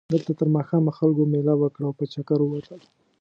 دلته تر ماښامه خلکو مېله وکړه او په چکر ووتل.